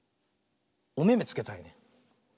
おめめつけたいね。